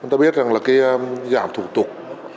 chúng ta biết rằng là cái giảm thủ tục